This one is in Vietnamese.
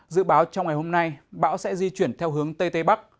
dự báo trong ngày hôm nay bão sẽ di chuyển theo hướng tây tây bắc